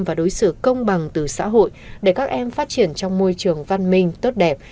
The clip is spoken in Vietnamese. và đối xử công bằng từ xã hội để các em phát triển trong môi trường văn minh tốt đẹp